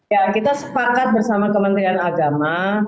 ya kita sepakat bersama kementerian agama